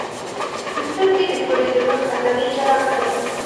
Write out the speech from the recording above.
د سترګې د کرې د مخ عضلې جلا کړئ.